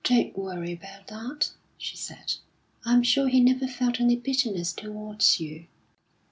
"Don't worry about that," she said. "I'm sure he never felt any bitterness towards you."